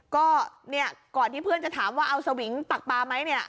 ก็ก่อนที่เพื่อนจะถามว่าเอาสวิงตักปลาไหม